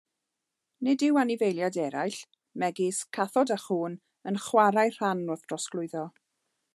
Nid yw anifeiliaid eraill, megis cathod a chŵn, yn chwarae rhan wrth drosglwyddo.